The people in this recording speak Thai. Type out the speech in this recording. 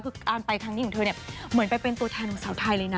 คือการไปครั้งนี้ของเธอเนี่ยเหมือนไปเป็นตัวแทนของสาวไทยเลยนะ